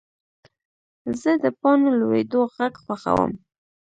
زه د پاڼو لوېدو غږ خوښوم.